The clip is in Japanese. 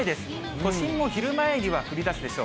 都心も昼前には降りだすでしょう。